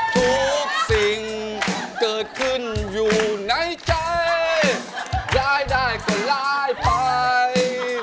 ทุกสิ่งเกิดขึ้นอยู่ในใจรายได้ก็ลายไป